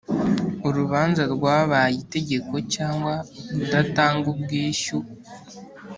urubanza rwabaye itegeko cyangwa kudatanga ubwishyu